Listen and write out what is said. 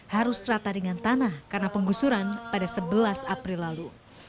harus rata dengan tanah karena penggusuran pada sebelas april lalu